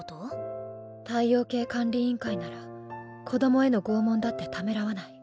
太陽系管理委員会なら子供への拷問だってためらわない。